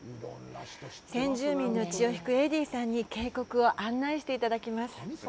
先住民の血を引くエディさんに渓谷を案内していただきます。